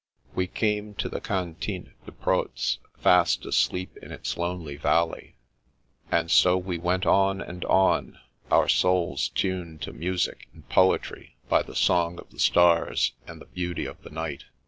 We came to the Cantine de Proz, fast asleep in its lonely valley, and so we went on and on, our souls tuned to music and poetry by the song of the stars and the beauty of the night.